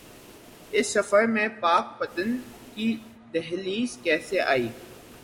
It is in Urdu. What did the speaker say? اس سفر میں پاک پتن کی دہلیز کیسے آئی؟